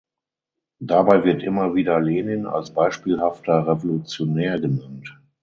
Dabei wird immer wieder Lenin als beispielhafter Revolutionär genannt.